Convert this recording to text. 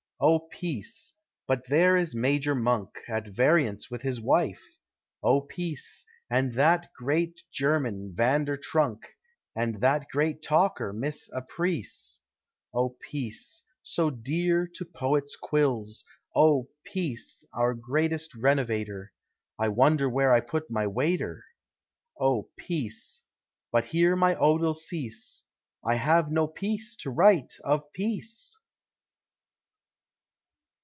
Oh Peace! but there is Major Monk, At variance with his wife Oh Peace! And that great German, Vander Trunk, And that great talker, Miss Apreece; Oh Peace! so dear to poet's quills Oh Peace! our greatest renovator; I wonder where I put my waiter Oh Peace! but here my Ode I'll cease, I have no peace to write of Peace!